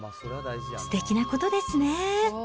すてきなことですね。